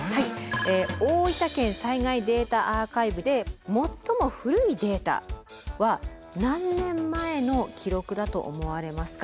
大分県災害データアーカイブで最も古いデータは何年前の記録だと思われますか？